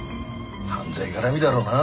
犯罪絡みだろうなあ。